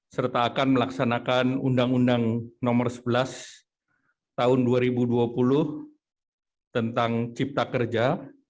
serta akan melaksanakan undang undang nomor sebelas tahun dua ribu dua puluh tentang cipta kerja